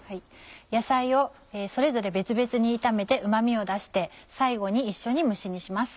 野菜をそれぞれ別々に炒めてうま味を出して最後に一緒に蒸し煮します。